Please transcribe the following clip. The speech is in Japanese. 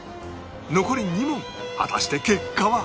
残り２問果たして結果は？